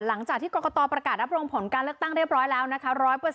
หลังจากที่กรกตประกาศรับรองผลการเลือกตั้งเรียบร้อยแล้วนะคะ